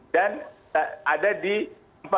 dan ada di empat puluh dua negara